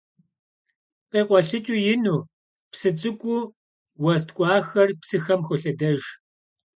Khikhuelhıç'ıu yinu, psı ts'ık'uu vues tk'ujjaxer psıxem xolhedejj.